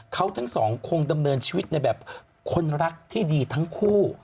เขาทั้งสองคงดำเนินชีวิตในแบบคนรักที่ดีทั้งคู่